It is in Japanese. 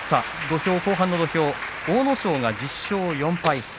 後半の土俵阿武咲が１０勝４敗。